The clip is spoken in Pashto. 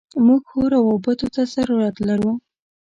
موږ ښو راوبطو ته ضرورت لرو.